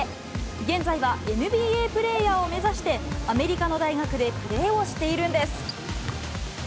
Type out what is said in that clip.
現在はＮＢＡプレーヤーを目指してアメリカの大学でプレーをしているんです。